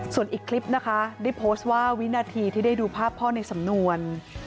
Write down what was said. ส่วนอีกคลิปนะคะได้โพสต์ว่าวินาทีที่ได้ดูภาพพ่อในสำนวน